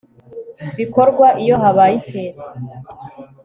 bikorwa iyo habaye iseswa